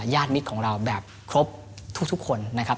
ญาติมิตรของเราแบบครบทุกคนนะครับ